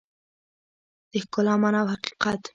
د ښکلا مانا او حقیقت